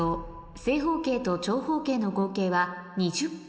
「正方形と長方形の合計は２０個」